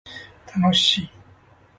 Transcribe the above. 楽しい